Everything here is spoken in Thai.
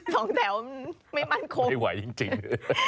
สองแถวมันไม่มั่นคงไม่ไหวจริง